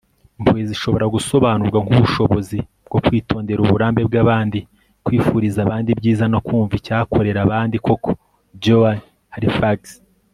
impuhwe zishobora gusobanurwa nkubushobozi bwo kwitondera uburambe bwabandi, kwifuriza abandi ibyiza, no kumva icyakorera abandi koko. - joan halifax